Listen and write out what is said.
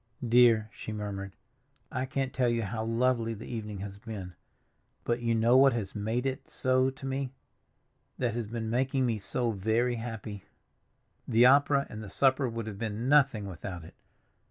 "Dear," she murmured, "I can't tell you how lovely the evening has been; but you know what has made it so to me, that has been making me so very happy? The opera and the supper would have been nothing without it.